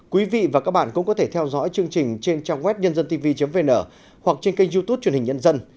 quý vị và các bạn cũng có thể theo dõi chương trình trên trang web nhân dân tv vn hoặc trên kênh youtube truyền hình nhân dân